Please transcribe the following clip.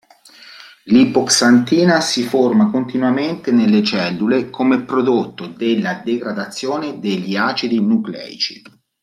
L'ipoxantina si forma continuamente nelle cellule come prodotto della degradazione degli acidi nucleici.